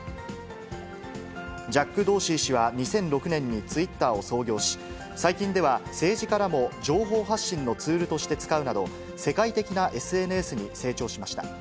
ジャック・ドーシー氏は２００６年にツイッターを創業し、最近では、政治家らも情報発信のツールとして使うなど、世界的なＳＮＳに成長しました。